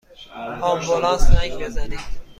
آمبولانس زنگ بزنید!